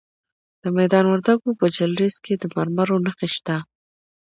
د میدان وردګو په جلریز کې د مرمرو نښې شته.